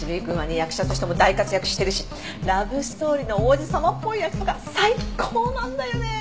役者としても大活躍してるしラブストーリーの王子様っぽい役とか最高なんだよね！